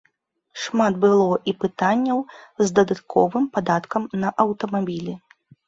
Шмат было і пытанняў з дадатковым падаткам на аўтамабілі.